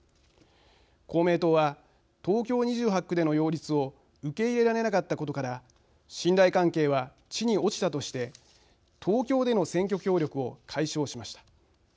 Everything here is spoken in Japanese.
公明党は東京２８区での擁立を受け入れられなかったことから信頼関係は地に落ちたとして東京での選挙協力を解消しました。